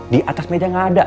di atas meja gak ada